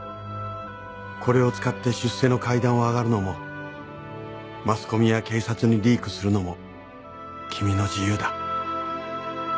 「これを使って出世の階段を上るのもマスコミや警察にリークするのも君の自由だ」